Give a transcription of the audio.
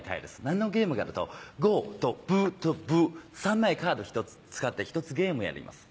何のゲームかというと呉とブとブ３枚カード使って１つゲームやります